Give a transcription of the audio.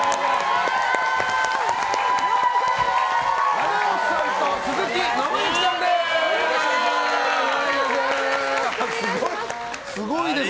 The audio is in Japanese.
菜々緒さんと鈴木伸之さんです。